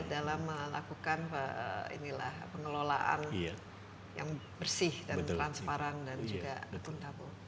dalam melakukan pengelolaan yang bersih dan transparan dan juga akuntabel